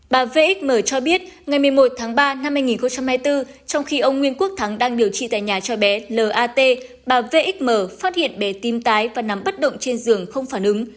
bà vxm cho biết ngày một mươi một tháng ba năm hai nghìn hai mươi bốn trong khi ông nguyễn quốc thắng đang điều trị tại nhà cho bé lat bà vxm phát hiện bé tim tái và nằm bất động trên giường không phản ứng